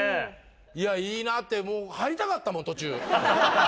いやいいなって入りたかったもん途中。